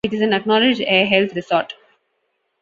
It is an acknowledged air health resort.